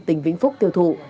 tỉnh vĩnh phúc tiêu thụ